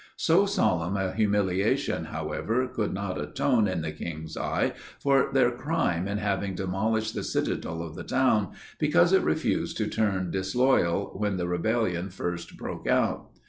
So solemn a humiliation, however, could not atone in the king's eye, for their crime in having demolished the citadel of the town, because it refused to turn disloyal, when the rebellion first broke out.